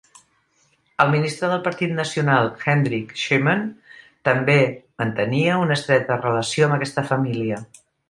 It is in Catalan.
El ministre del Partit Nacional, Hendrik Shoeman, també mantenia una estreta relació amb aquesta família.